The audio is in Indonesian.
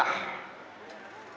hai ukur mereka